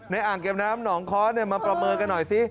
อ่างเก็บน้ำหนองค้อมาประเมินกันหน่อยสิ